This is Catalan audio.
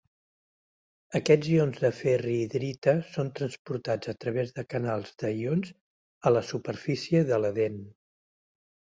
Aquests ions de ferrihidrita són transportats a través de canals de ions a la superfície de la dent.